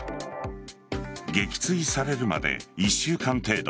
撃墜されるまで１週間程度